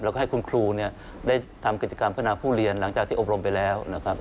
แล้วก็ให้คุณครูได้ทำกิจกรรมพัฒนาผู้เรียนหลังจากที่อบรมไปแล้วนะครับ